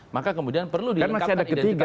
maka kemudian perlu dilengkapkan identitas nasionalnya